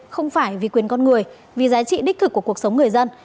không phải vì quyền con người vì giá trị đích thực của cuộc sống người dân